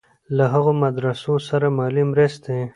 له هغو مدرسو سره مالي مرستې.